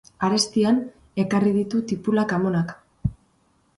Arestian ekarri ditu tipulak amonak.